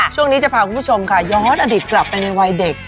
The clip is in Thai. ช่วงนี้จะพาคุณผู้ชมค่ะย้อนอดีตกลับไปในวัยเด็ก